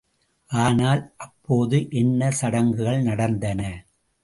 ஆனால், அப்போது என்ன சடங்குகள் நடந்தன.